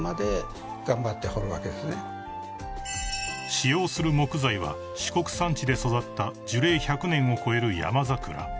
［使用する木材は四国山地で育った樹齢１００年を超える］